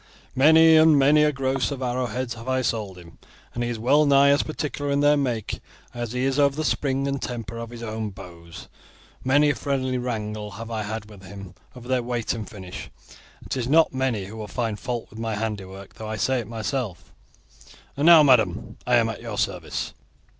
Many and many a gross of arrowheads have I sold him, and he is well nigh as particular in their make as he is over the spring and temper of his own bows. Many a friendly wrangle have I had with him over their weight and finish, and it is not many who find fault with my handiwork, though I say it myself; and now, madam, I am at your service."